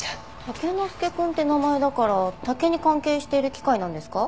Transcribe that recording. タケノスケくんって名前だから竹に関係している機械なんですか？